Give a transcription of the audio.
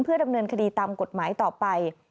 ดำเนินคดีตามกฎหมายต่อไป